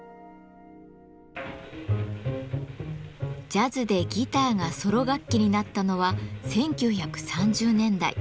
ジャズでギターがソロ楽器になったのは１９３０年代。